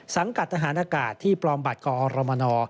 สังกัดทหารอากาศที่ปลอมบัตรกอรมน